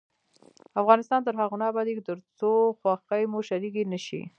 افغانستان تر هغو نه ابادیږي، ترڅو خوښي مو شریکه نشي.